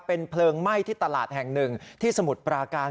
เป็นเพลิงไหม้ที่ตลาดแห่งหนึ่งที่สมุทรปราการ